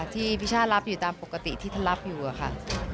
ที่พี่ชักรับอยู่ตามปกติที่รับอยู่ค่ะ